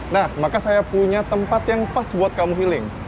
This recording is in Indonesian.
nah maka saya punya tempat yang pas buat kamu healing